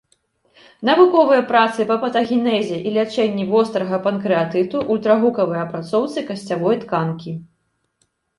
Навуковыя працы па патагенезе і лячэнні вострага панкрэатыту, ультрагукавой апрацоўцы касцявой тканкі.